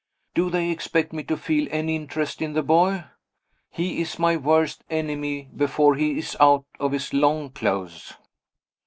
Do they expect me to feel any interest in the boy? He is my worst enemy before he is out of his long clothes.